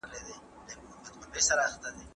چي نه سمه نه کږه لښته پیدا سي.